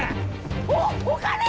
おっお金！